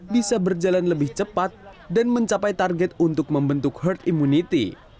bisa berjalan lebih cepat dan mencapai target untuk membentuk herd immunity